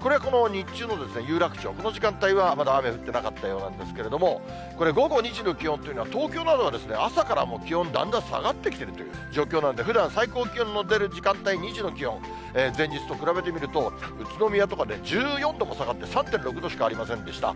これがこの日中の有楽町、この時間帯はまだ雨降ってなかったようなんですけども、これ午後２時の気温というのは、東京などは朝からもう気温、だんだん下がってきてるという状況なんで、ふだん最高気温の出る時間帯、２時の気温、前日と比べてみると、宇都宮とかで１４度も下がって３．６度しかありませんでした。